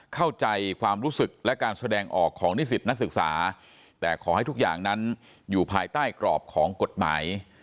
เข้าใจความรู้สึกและการแสดงออกของนิสิตนักศึกษาแต่ขอให้ทุกอย่างนั้นอยู่ภายใต้กรอบของกฎหมาย